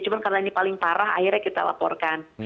cuma karena ini paling parah akhirnya kita laporkan